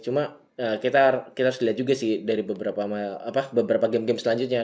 cuma kita harus lihat juga sih dari beberapa game game selanjutnya